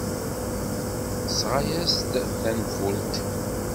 Tesɣa-as-d tanfult.